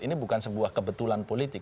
ini bukan sebuah kebetulan politik